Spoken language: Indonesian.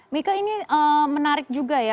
mika ini menarik juga ya